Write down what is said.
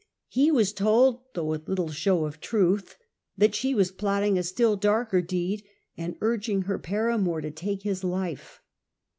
He was told, though with little show of truth, that she was plotting a still darker deed and urging her paramour to take his life.